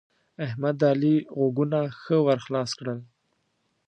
احمد؛ د علي غوږونه ښه ور خلاص کړل.